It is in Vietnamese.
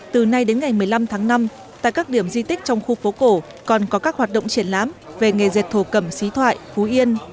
từ nay đến ngày một mươi năm tháng năm tại các điểm di tích trong khu phố cổ còn có các hoạt động triển lãm về nghề dệt thổ cầm xí thoại phú yên